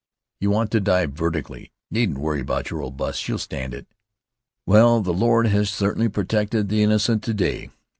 "You want to dive vertically. Needn't worry about your old 'bus. She'll stand it." "Well, the Lord has certainly protected the innocent to day!"